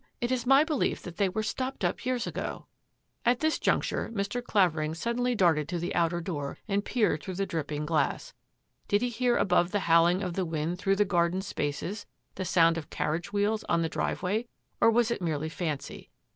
It Is my belief that they were stopped up years ago." At this juncture, Mr. Claverlng suddenly darted to the outer door and peered through the dripping glass. Did he hear above the howling of the wind through the garden spaces the sound of carriage wheels on the driveway, or was it merely fancy?